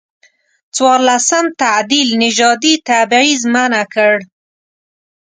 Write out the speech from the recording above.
څورلسم تعدیل نژادي تبعیض منع کړ.